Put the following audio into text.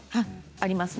ありますね。